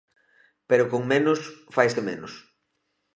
Pero con menos faise menos.